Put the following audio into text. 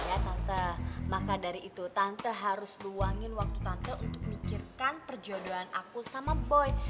ya tante maka dari itu tante harus luangin waktu tante untuk mikirkan perjodohan aku sama poin